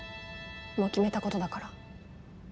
もう決めたことだから。